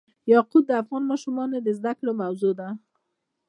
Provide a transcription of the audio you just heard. یاقوت د افغان ماشومانو د زده کړې موضوع ده.